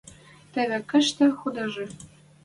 Теве кышты худажы.